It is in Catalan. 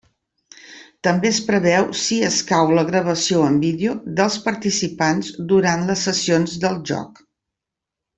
També es preveu si escau la gravació en vídeo dels participants durant les sessions del joc.